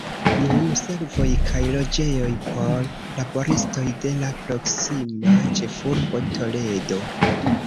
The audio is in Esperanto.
Nun servoj kaj loĝejoj por laboristoj de la proksima ĉefurbo Toledo.